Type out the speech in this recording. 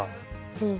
うん。